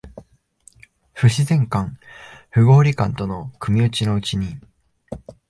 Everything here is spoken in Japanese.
不自然感、不合理感との組打ちのうちに、